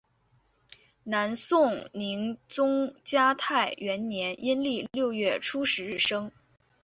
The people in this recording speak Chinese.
南宋宁宗嘉泰元年阴历六月初十日生。